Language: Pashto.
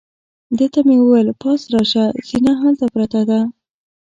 ده ته مې وویل: پاس راشه، زینه هلته پرته ده.